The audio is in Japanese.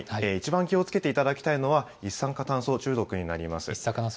一番気をつけていただきたいのは、一酸化炭素中毒になります。